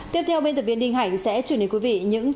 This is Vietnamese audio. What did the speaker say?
tiếp theo bên tập viên định